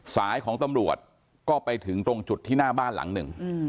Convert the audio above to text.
สายของตำรวจก็ไปถึงตรงจุดที่หน้าบ้านหลังหนึ่ง